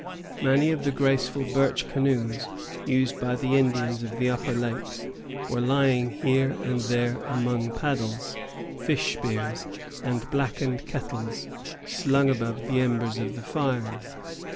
Many of the graceful birch canoes, used by the Indians of the upper lakes, were lying here and there among paddles, fish spears, and blackened kettles slung above the embers of the fires.